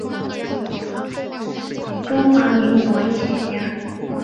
中华民国医学家。